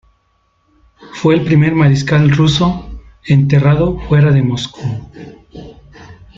Fue el primer mariscal ruso enterrado fuera de Moscú.